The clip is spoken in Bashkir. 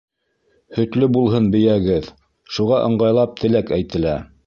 Һөтлө булһын бейәгеҙ, Шуға ыңғайлап теләк әйтелә.